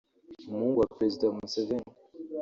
Umuhungu wa Perezida Museveni